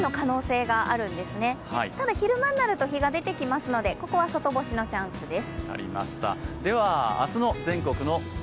ただ昼間になると日が出てきますので、ここは外干しのチャンスです。